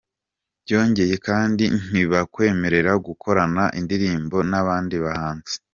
Byongeye kandi ntibakwemerera gukorana indirimbo n’abandi bahanzi.